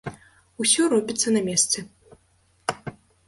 Усё робіцца на месцы.